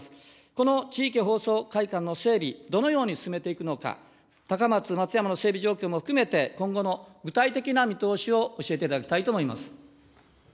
この地域放送会館の整備、どのように進めていくのか、高松、松山の整備状況も含めて、今後の具体的な見通しを教えていただきたいと思います。